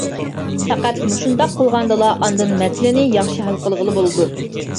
پەقەت مۇشۇنداق قىلغاندىلا ئاندىن مەسىلىنى ياخشى ھەل قىلغىلى بولىدۇ.